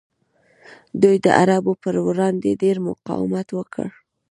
دوی د عربو پر وړاندې ډیر مقاومت وکړ